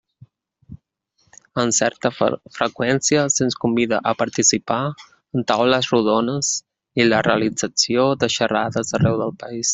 Amb certa freqüència se'ns convida a participar en taules rodones i en la realització de xerrades arreu del país.